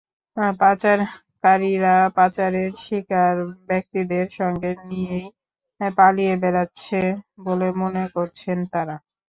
পাচারকারীরা পাচারের শিকার ব্যক্তিদের সঙ্গে নিয়েই পালিয়ে বেড়াচ্ছে বলে মনে করছেন তাঁরা।